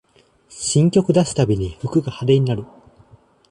新曲出すたびに服が派手になる